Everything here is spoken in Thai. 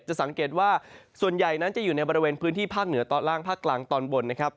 สังเกตว่าส่วนใหญ่นั้นจะอยู่ในบริเวณพื้นที่ภาคเหนือตอนล่างภาคกลางตอนบนนะครับ